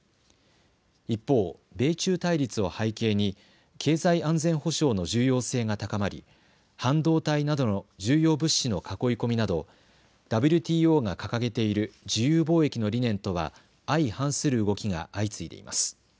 一方、米中対立を背景に経済安全保障の重要性が高まり半導体などの重要物資の囲い込みなどＷＴＯが掲げている自由貿易の理念とは相反する動きが相次いでいます。